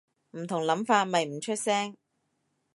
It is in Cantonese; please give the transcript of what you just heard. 唔同諗法咪唔出聲